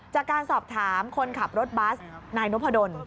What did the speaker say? จากการสอบถามคนขับรถบัสนายนพดล